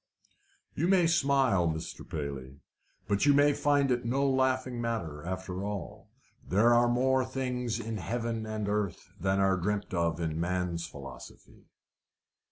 "You may smile, Mr. Paley, but you may find it no laughing matter after all. There are more things in heaven and earth than are dreamt of in man's philosophy."